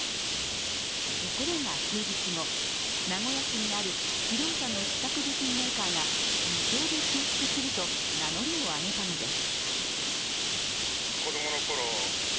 ところが、数日後、名古屋市にある自動車の試作部品メーカーが無償で修復すると名乗りを上げたのです。